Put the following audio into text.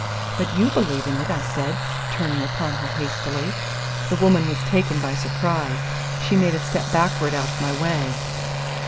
"But you believe in it," I said, turning upon her hastily. The woman was taken by surprise. She made a step backward out of my way.